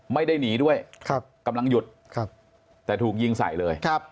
ไม่ได้หนีด้วยกำลังหยุดแต่ถูกยิงใส่เลย